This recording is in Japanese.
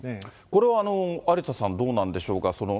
これは、有田さんどうなんでしょうか。